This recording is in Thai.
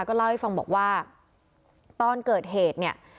ก็เล่าให้ฟังบอกว่าตอนเกิดเหตุเนี่ย